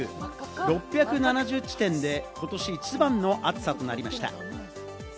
６７０地点で今年一番の暑さとなりました。